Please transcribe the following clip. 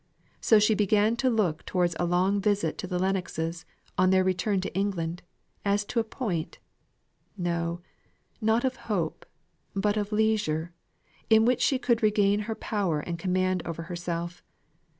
So she began to look towards a long visit to the Lennoxes, on their return to England, as to a point no, not of hope but of leisure, in which she could regain her power and command over herself.